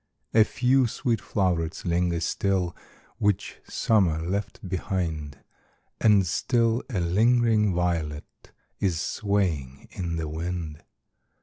AN AUTUMN INVITATION. 115 A few sweet flow'rets linger still, Which Summer left behind ; And still a lingering violet Is swaying in the wind.